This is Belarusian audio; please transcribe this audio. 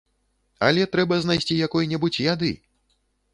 Але трэба знайсці якой-небудзь яды.